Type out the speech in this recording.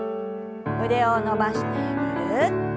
腕を伸ばしてぐるっと。